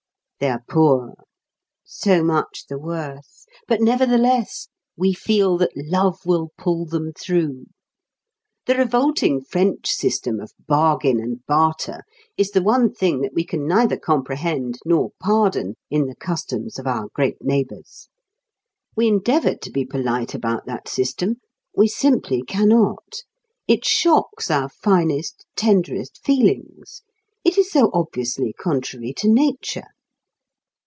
They are poor. So much the worse! But nevertheless we feel that love will pull them through. The revolting French system of bargain and barter is the one thing that we can neither comprehend nor pardon in the customs of our great neighbours. We endeavour to be polite about that system; we simply cannot. It shocks our finest, tenderest feelings. It is so obviously contrary to nature.